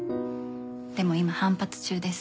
でも今反発中です。